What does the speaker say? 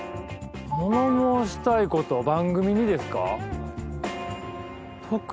物申したいこと番組にですか？